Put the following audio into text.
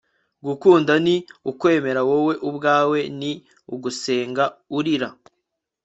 gukunda ni ukwemera wowe ubwawe, ni ugusenga urira